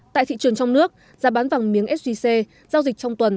tại thị trường trong nước giá bán vàng miếng sgc giao dịch trong tuần